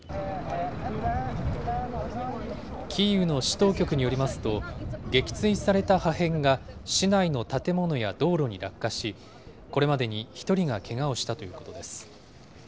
キーウの市当局によりますと、撃墜された破片が市内の建物や道路に落下し、これまでに１人がけがをしたということです。